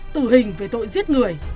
tử hình về tội giết người